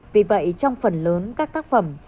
vì vậy trong phần lớn các tác phẩm